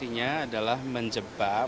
itu adalah menjebak